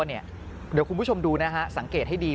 เดี๋ยวคุณผู้ชมดูนะฮะสังเกตให้ดี